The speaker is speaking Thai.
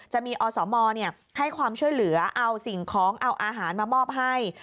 จะมีอสมให้ความช่วยเหลือเอาสิ่งของเอาอาหารมามอบให้